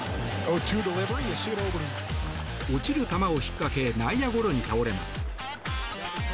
落ちる球を引っかけ内野ゴロに倒れます。